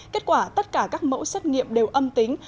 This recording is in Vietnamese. kết quả tất cả các mẫu xét nghiệm đều âm tính